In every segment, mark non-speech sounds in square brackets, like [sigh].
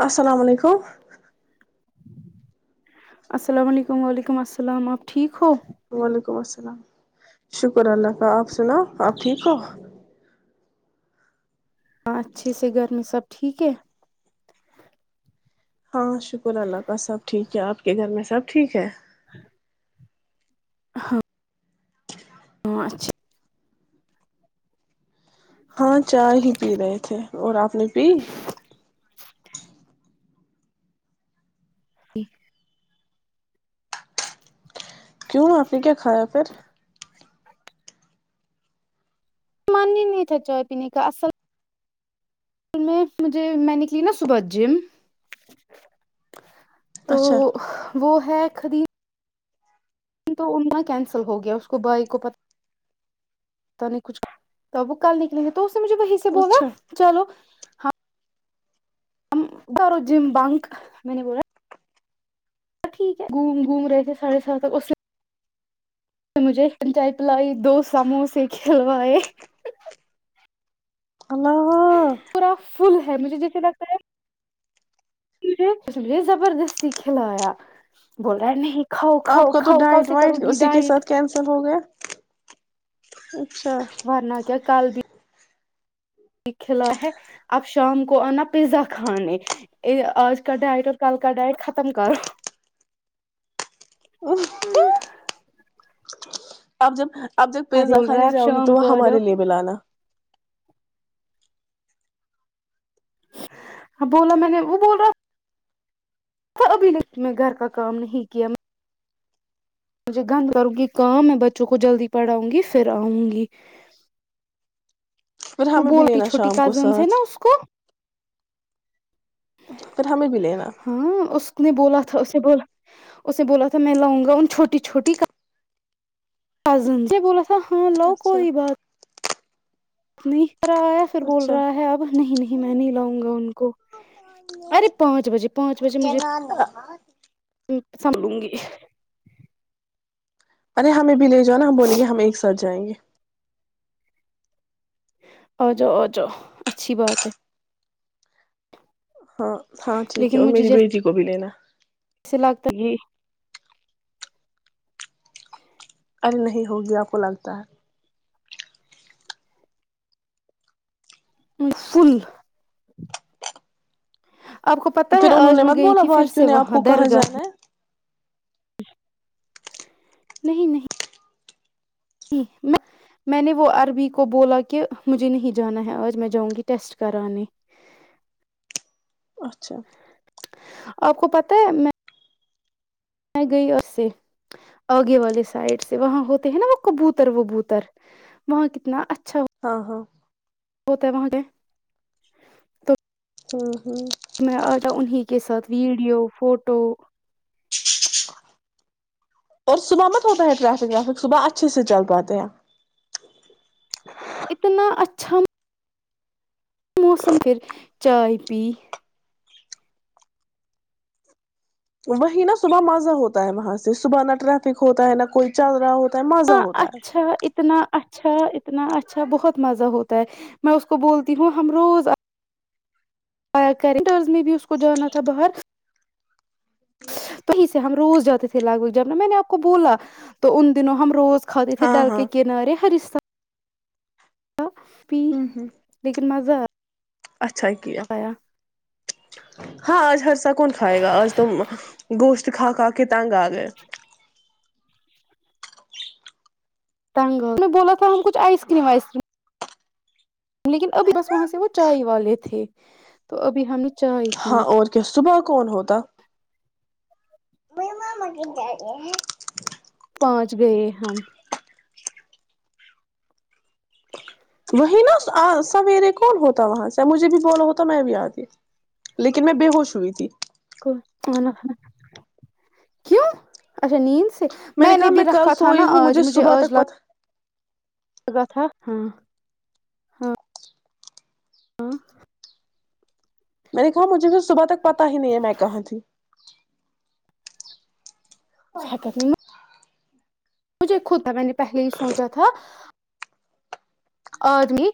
السلام علیکم السلام علیکم وعلیکم السلام آپ ٹھیک ہو وعلیکم السلام شکر اللہ کا آپ سنا آپ ٹھیک ہو ہ اچھے سے گھر میں سب ٹھیک ہے ہاں شکر اللہ کا سب ٹھیک ہے آپ کے گھر میں سب ٹھیک ہے ج [unintelligible] ہاں پانچ ہاں چائے ہی پی رہے تھے اور آپ نے پی جیھ کیوں آپ نے کیا کھایا پھر مان ہی نہیں تھا چائےائے پینے کا اصل میں مجھے میں نکلی نا صبح جم تو اچھا وہ ہے خرید تو اننا کینسل ہو گیا اس کو بھائی کو پ پ نہیں کچھ وہ کل نکلیں گے تو مجھے وہی سے بولا اچھا چلو ھرو جم بنک میں نے بلا ٹھیک ہے گوم گھوم رہے تھے ساڑھے سات تک مجھے چن چائے پلائی دو سموسے کھلوائے اللہ پا فل ہے مجھے جیسے لگتا ہے مجھے زبردستی کھلایا بول رہا نہیں کھاؤ آپ کھاؤ کا تو کھاؤ کل ڈائٹ سے کرو وائٹ گی اسی کے ڈائٹ ساتھ کینسل ہو گیا اچھا ورنہ کیا کل بھی کلا ہے آپ شام کو آنا پیزا کھانے آج کا ڈائٹ اور کل کا ڈائٹ ختم کرو ہوں اپ جب اب جب پیزا بول رہا ہے کھانی آپ جاؤ گی شام تو وہ کو آ ہمارے جاؤ لیے بلانا ہ بولا میں نے وہ بول رہا ابھی ل میں گھر کا کام نہیں کیا میں مجھے گند کروں گی کہاں میں بچوں کو جلدی پڑھاؤں گی پھر آؤں گی پھر وہ ہمیں بھی بولتی لینا چھوٹی شام کو کزن ہے ساتھ نا اس کو پھر ہمیں بھی لینا ہاں اس نے بولا تھا اس اسے بولا تھا میں لاؤں گا ان چھوٹی چھوٹی کزن سے بولا تھا کہ ہاں لو اچھا کوئی بات نہیں رہا ہے پھر بول اچھا رہا ہے اب نہیں نہیں میں نہیں لاؤں گا ان کو ارے پانچ بجے پانچ بجے مجھے سمبگی ارے ہمیں بھی لے جاؤ نا ہم بولیں گے ہم ایک ساتھ جائیں گے آ جؤ آ جاؤ اچھی بات ہے ہاں ہاں ٹھیک ہے لیکن اور مجھے میری بیٹی کو بھی لینا تک ارے نہیں ہوگی آپ کو لگتا ہے فل آپ کو پتہ ہے پھر انہوں آج نے میں مت گئی بولا تھی پھر باقیوں سے نے آپ وہاں کو کہاں درگاہ جانا ہے نہیں نہیں میں نے وہ عربی کو بولا کہ مجھے نہیں جانا ہے آج میں جاؤں گی ٹیسٹ کرانے اچھا آپ کو پتہ ہے میں میں گئی اس سے آگے والے سائڈ سے وہاں ہوتے ہیں نا وہ کبوتر وبوتر وہاں کتنا اچھا ہاں ہاں ہوتا ہے وہاں کے تو ہاں ہاں میں آجا انیں کے ساتھ ویڈیو فوٹو اور صبح مت ہوتا ہے ٹریفک وافک صبح اچھے سے چل پاتے ہیںپ چم موسم پھر چائے پی وہی نہا صبح مزہ ہوتا ہے وہاں سے صبح نہ ٹریفک ہوتا ہے نہ کوئی چل رہا ہوتا ہے مزہ ہاں ہوتا ہے اچھا اتنا اچھا اتنا اچھا بہت مزہ ہوتا ہے میں اس کو بولتی ہوں ہم روز آ کر میں بھی اس کو جانا تھا باہر جا تویں ہم روز جاتے تھے لگ جب نا میں نے آپ کو بولا تو ان دنوں ہم روز کے کھا تھے ہاں ڈال ہاں کےنارے ہرستان پ ہوں ہوں لیکن مزہ آ اچھا کیا ہاں آج ہر سا کون کھائے گا آج تم گوشت کھا کھا کے تنگ آ گ تٹنگ میں بولا تھا ہم کچھ آئس کریم وائس کریم لیکن ابھی بس وہاں سے وہ چائے والے تھے تو ابھی ہم چائے ہاں پی اور کیا صبح کون ہوتا پہنچ گئے ہم وہی نا سویرے کون ہوتا وہاں سے مجھے بھی بولا ہوتا میں بھی آتی لیکن میں بے ہوش ہوئی تھی کو کیوں اچھا نیز میں نے کہا بھی کل رکھا تھا سوئی نا ہوں آج مجھے صبح آج تک لگا پتا کا تھا ہاں ہاں میں نے کہا مجھے بھی صبح تک پتا ہی نہیں ہے میں کہاں تھی آ حقت نہیں مجھے خود تھا میں نے پہلے ہی سوچا تھا آجمی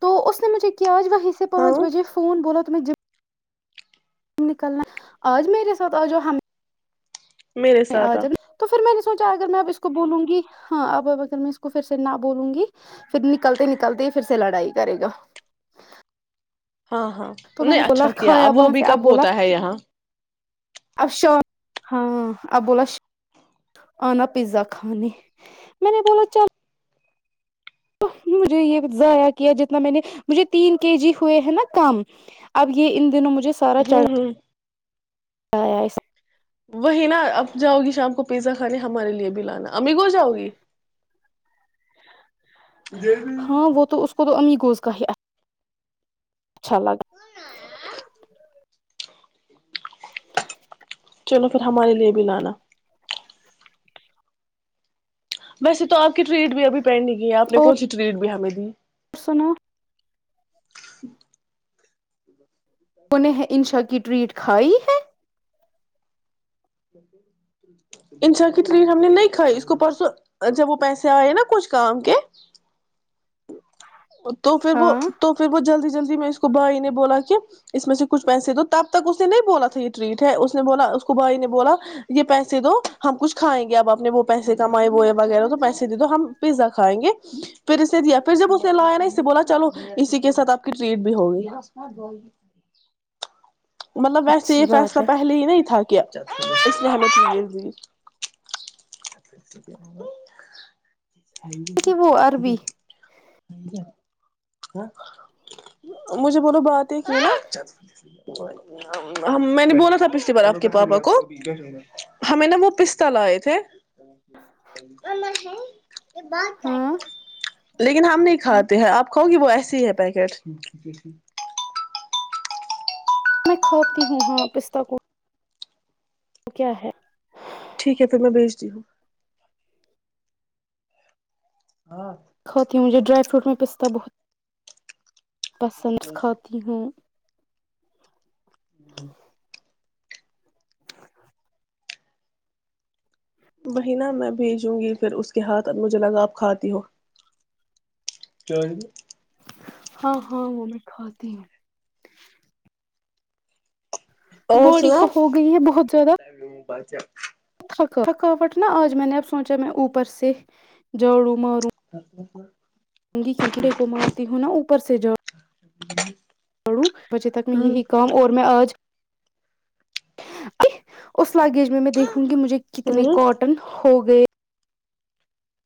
تو اس نے مجھے کیا آج وہ سے ہاں پانچ بجے فون بولو تم ج نکلنا آج میرے ساتھ آج ہم میرے میں آ ساتھ جا تو پھر میں نے سوچا اگر میں اب اس کو بولوں گی ہاں اب اب اگر میں اس کو پھر سے نہ بولوں گی پھر نکلتے نکلتے پھر سے لڑائی کرے گا ہاں ہاں تو ان میں نے بولا اچھا کیا کھایا اب وہ وہاں بھی سے کب بولا ہوتا ہے یہاں اب شام ہاں اب بولا آنا پیزا کھانے میں نے بولا چل مجھے یہ ضائع کیا جتنا میں نے مجھے تین کے جی ہوئے ہیں نا کم اب یہ ان دنوں مجھے ہوں ہوں آئےس وہی نا اب جاؤ گی شام کو پیزا کھانے ہمارے لیے بھی لانا امگو جاؤ گی ہاں وہ تو اس کو تو امی کوز کا ہی اچھا لگا ج [inaudible] چلو پھر ہمارے لیے بھی لانا ویسے تو آپ کی ٹریٹ میں اب پینڈ نہیں کی ہے آپ نے کونی ٹریٹ بھی ہمیں دی [unintelligible] جی [inaudible] پرسنا [unintelligible] ان نے انشا کی ٹریٹ کھائی ہے انسا کی ٹریٹ ہم نے نہیں کھائی اس کو پرسوں جب وہ پیسے آئے نا کچھ کام کے تو پھر وہ ہاں تو پھر وہ جلدی جلدی میں اس کو بھائی نے بولا کہ اس میں سے کچھ پیسے تو تب تک اس نے نہیں بولا تھا یہ ٹریٹ ہے اس نے بولا اس کو بھائی نے [unintelligible] بولا یہ پیسے دو ہم کچھ کھائیں گے اب اپنے وہ پیسے کمائے وہ وغیرہ تو پیسے دے دو ہم پیزا کھائیں گے پھر اسے دیا پھر جب اس نے لایا نا اسے بولا چلو اسی کے ساتھ آپ کی ٹریٹ بھی ہوگی [unintelligible] مطلب ویسے اچھی یہ بات فیصلہ ہے پہلے ہی نہیں تھا کہ اس محمت کہ وہ [unintelligible] ج عربی ج [unintelligible] مجھے بولو بات ایک ہے نا میں نے بولا تھا پچھلی بار آپ کے پاپا کو ہمیں نا وہ پستتا لائے تھے ہاں لیکن ہم نہیں کھاتے [unintelligible] تو ہیں آپ [unintelligible] رکھو گی وہ ایسی ہے پیکٹ [unintelligible] میں کھاپتی ہوں ہاں پستہ کو وہ کیا ہے ٹھیک ہے پھر میں بھیج دی ہوں ہوتی مجھے ڈرائی فوٹ میں پستا بہت [unintelligible] پسندس کھاتی ہوں ہ [unintelligible] بہ ن میں بھیجوں گی پھر اس کے ہاتھ مجھے لگا آپ کھاتی ہو ہاں ہاں وہ میں کھاتی ہوں [unintelligible] اور بوڑی کو ہو گئی ہے بہت زیادہ اچھا [unintelligible] تھکاوٹ نا آج میں نے اب سوچا میں اوپر سے جاڑوں م [unintelligible] سر سر [unintelligible] جوں گی کیونکہ رے کوو مارتی ہوں نا اوپر سے جاؤ جیی [unintelligible] دوڑوں بجے تک میں یہی کام اور میں آج ا اس [unintelligible] لگیج میں دیکھوں گی مجھے کتنے ہوں کاٹن ہو گئے [unintelligible]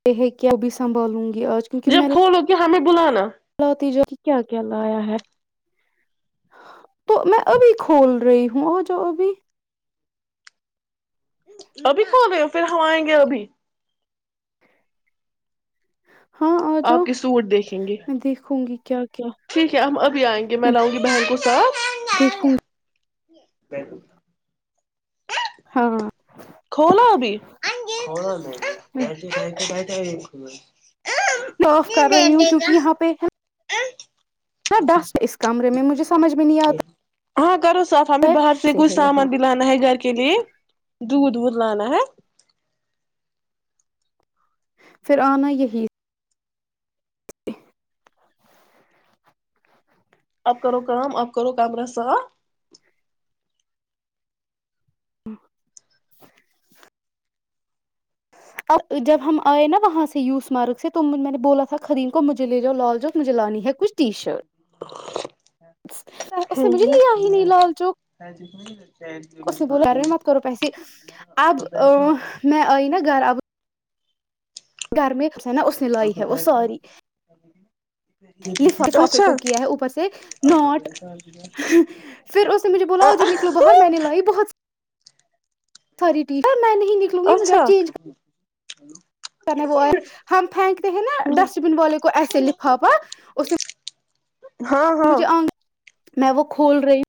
ت ہے کیا بھی سنبھالوں گا گ آج کیونکہ میں [unintelligible] ہمامیں بولا نا لاتی جا کہ کیا کیا لایا ہے تو میں ابھی کھول رہی ہوں آ جاؤ ابھی ابھی کو گ پھر ہم آئیں گے ابھی ہاں آ آپ جاؤ کے سوٹ دیکھیں گے میں دیکھوں گی کیا [unintelligible] ٹھیک ہے ہم اب آئیں گے میں لاؤ گی بہن کو س [unintelligible] دیکھوں [unintelligible] بیک [unintelligible] ہاں [unintelligible] کھولا ابھی کھولا [unintelligible] ہ [inaudible] میں آف کر رہی ہوں کیونک یہاں پہ ہ ڈسٹ اس کمرے میں مجھے سمجھ میں نہیں آتا ہاں کرو [unintelligible] صافا میں باہر سے کوچھ ہے سامان یہاں بھی لانا ہے گھر کے لیے دودھ وھ لانا ہے [unintelligible] پھر آنا یہی اپ کرو کا اپ کرو کمرہ صاف ہ [inaudible] ا جب ہم آئے نا وہاں سے یو اسمارک سے تو میں نے بولا تھا خریم کو مجھے لے جاؤ لال جو مجھے لانی ہے کچھ ٹی شرٹ اس نے ہوں مجھے ہوں لیا ہی نہیں لال چوک اس نے بولا یار مت کرو پیسے اب میں آئی نا گھر میں نا اس نے لائی ہے وہ ساری لافافے اچھا کو کیا ہے اوپر سے ناٹ پھر اس نے مجھے بولا جو نکلو باہر میں نے لائی بہت خری ٹییک ہے [unintelligible] میں نہیں نکلوں گی مجھے اب چینج ہلو [unintelligible] وہ آئ ہم پھینکتے ہیں نا ہ ڈسٹ بن والے کو ایسے لفافہ اس میں ہاں ہاں میں وہ کھول رہی ہ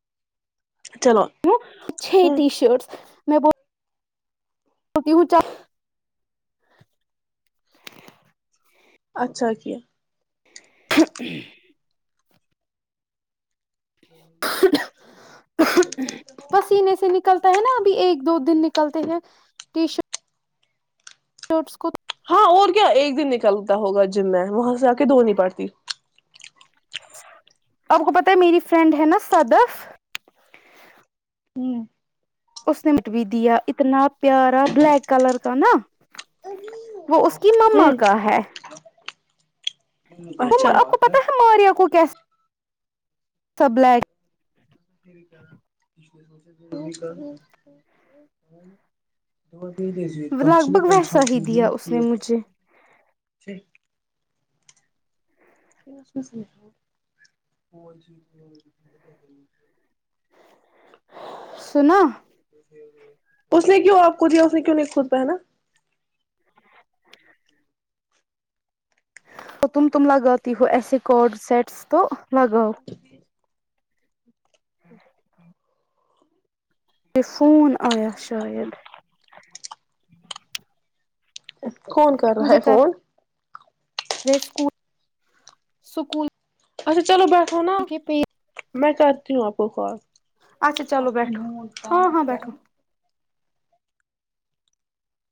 چلو چھ ہ ٹی شرٹس میں ب [unintelligible] سوتییہ چا [unintelligible] اچھا کی [inaudible] تو [inaudible] یک [unintelligible] پسینے سے [inaudible] نکلتا ہے نا ابھی ایک دو دن نکلتے ہیں ٹی شرٹ وٹس کو [unintelligible] ہاں اور کیا ایک دن نکلتا ہوگا جم میں وہاں سے آ کے دھونی پڑتی آپ کو پت ہے میری فرینڈ ہے نا صدف ہ اس نے مٹ بھی دیا اتنا پیارا بلیک کلر کا نا وہ اس کی مما کا ہے ت اچھا آپ کو پتا ہے ماریا کو کیسے سب لڈ [inaudible] ی لگ کاچلک بھگ ویسا انشاتی ہی دیا اس نے جی مجھے کیا میں س ج [inaudible] سنا [unintelligible] اس نے کیوں آپ کو دیا اس نے کیوں نہیں خود پہنا تو تم تم لگاتی ہو ایسے کارڈ سیٹس تو لگاؤ ہ ہ [inaudible] یہ فون آیا شاید اچ [inaudible] کون کر رہا ہے فون اسکول سکول [unintelligible] اچھا چلو بس [unintelligible] ناا میں کرتی ہوں آپ [inaudible] پوخر [inaudible] اچھا چلو بیٹھو ہاں ہاں بیٹھو [unintelligible]